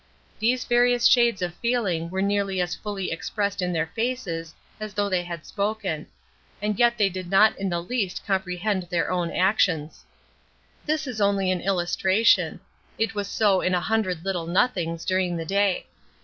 These various shades of feeling were nearly as fully expressed in their faces as though they had spoken; and yet they did not in the least comprehend their own actions. This is only an illustration; it was so in a hundred little nothings during the day.